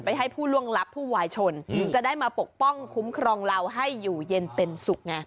ให้ผู้ล่วงลับผู้วายชนจะได้มาปกป้องคุ้มครองเราให้อยู่เย็นเป็นสุขไง